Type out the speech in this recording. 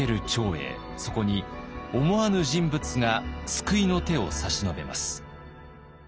そこに思わぬ人物が救いの手を差し伸べます。